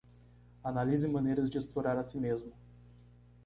Analise maneiras de explorar a si mesmo